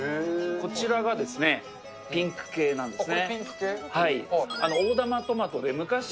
こちらがピンク系なんですね。